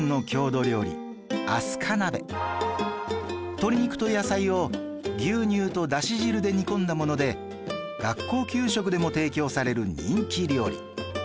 鶏肉と野菜を牛乳とだし汁で煮込んだもので学校給食でも提供される人気料理